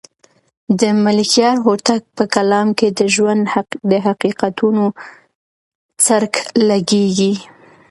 د ملکیار هوتک په کلام کې د ژوند د حقیقتونو څرک لګېږي.